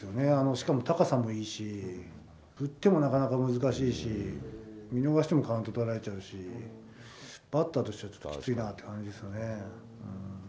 しかも高さもいいし、振ってもなかなか難しいし、見逃してもカウントとられちゃうし、バッターとしてはちょっときついなという感じですよね。